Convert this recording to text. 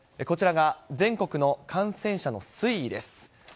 こちらが全国の感染者の推移です。